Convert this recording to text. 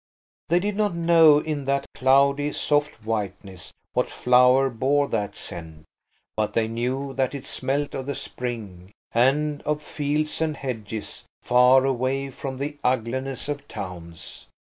They did not know in that cloudy, soft whiteness, what flower bore that scent, but they knew that it smelt of the spring, and of fields and hedges far away from the ugliness of towns.